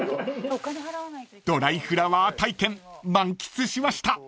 ［ドライフラワー体験満喫しました］